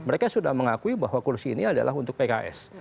mereka sudah mengakui bahwa kursi ini adalah untuk pks